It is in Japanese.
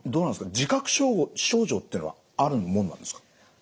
自覚症状っていうのはあるもんなんですか？